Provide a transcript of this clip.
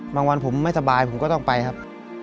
วันผมไม่สบายผมก็ต้องไปครับ